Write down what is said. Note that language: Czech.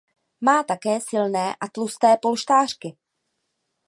Má také silné a tlusté polštářky.